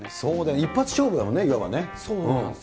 一発勝負だもんね、そうなんですよ。